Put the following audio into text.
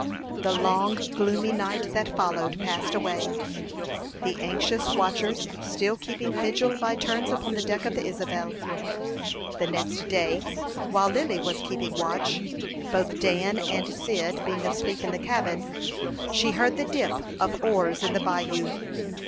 The long, gloomy night that followed passed away, the anxious watchers still keeping vigil by turns upon the deck of the Isabel. The next day, while Lily was keeping watch, both Dan and Cyd being asleep in the cabin, she heard the dip of oars in the bayou.